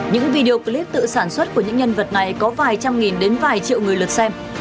những video clip tự sản xuất của những nhân vật này có vài trăm nghìn đến vài triệu người lượt xem